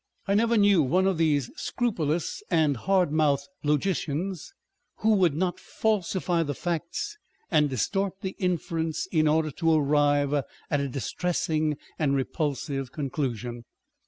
â€" I never knew one of these scrupulous and hard mouthed logicians who would not falsify the facts and distort the inference in order to arrive at a distressing and repulsive conclusion.